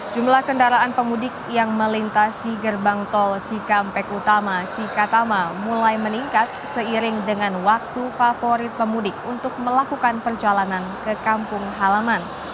jumlah kendaraan pemudik yang melintasi gerbang tol cikampek utama cikatama mulai meningkat seiring dengan waktu favorit pemudik untuk melakukan perjalanan ke kampung halaman